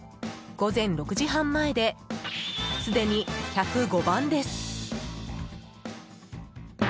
午前６時半前ですでに１０５番です。